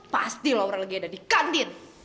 pasti laura lagi ada di kantin